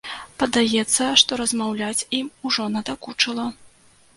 Падаецца, што размаўляць ім ужо надакучыла.